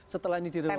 setelah ini direlokasi